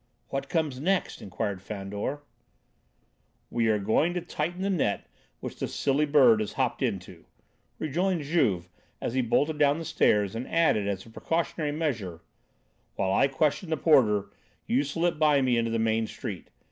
"What comes next?" inquired Fandor. "We are going to tighten the net which the silly bird has hopped into," rejoined Juve, as he bolted down the stairs, and added as a precautionary measure: "While I question the porter, you slip by me into the main street.